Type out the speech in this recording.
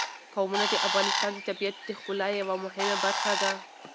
قومونه د افغانستان د طبیعت د ښکلا یوه مهمه برخه ده.